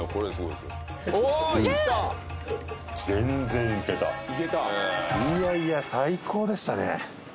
いやいや最高でしたね